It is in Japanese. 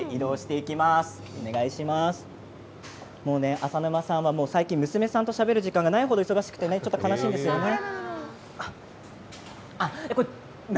浅沼さんは最近娘さんとしゃべる時間がない程忙しくて悲しいということです。